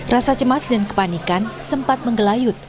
rasa cemas dan kepanikan sempat menggelayut